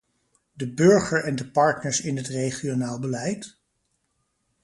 De burger en de partners in het regionaal beleid ...